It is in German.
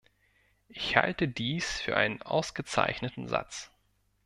Ich halte dies für einen ausgezeichneten Satz.